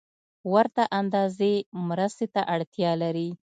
ورته اندازې مرستې ته اړتیا لري